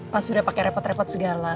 pak surya pakai repot repot segala